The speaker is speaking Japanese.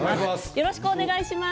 よろしくお願いします。